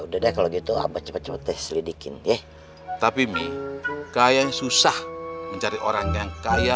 udah deh kalau gitu abah cepet cepet selidikin ya tapi mi kayak susah mencari orang yang kaya